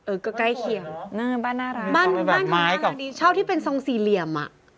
เออก็ใกล้เคียงเออบ้านน่ารักบ้านบ้านน่ารักดีชอบที่เป็นทรงสี่เหลี่ยมอ่ะ